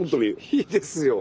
いいですよ